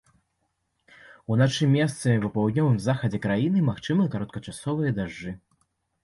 Уначы месцамі па паўднёвым захадзе краіны магчымыя кароткачасовыя дажджы.